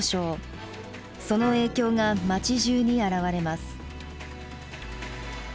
その影響が町じゅうに現れます。